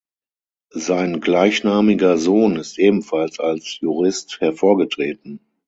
Sein gleichnamiger Sohn ist ebenfalls als Jurist hervorgetreten.